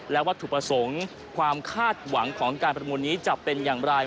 และวัตถุประสงค์ความคาดหวังของการประมูลนี้จะเป็นอย่างไร